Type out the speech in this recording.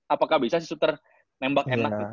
apakah bisa si shooter nembak enak